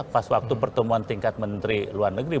pas waktu pertemuan tingkat menteri luar negeri